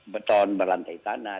beton berlantai tanah